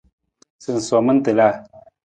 Sinsoman tiila.